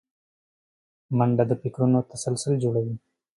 منډه د فکرونو تسلسل جوړوي